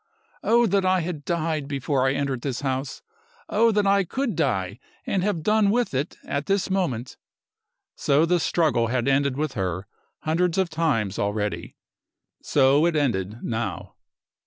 "Oh, that I had died before I entered this house! Oh, that I could die and have done with it at this moment!" So the struggle had ended with her hundreds of times already. So it ended now.